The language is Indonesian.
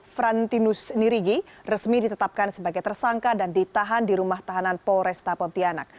frantinus nirigi resmi ditetapkan sebagai tersangka dan ditahan di rumah tahanan polresta pontianak